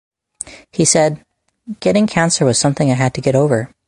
He said: Getting cancer was something I had to get over.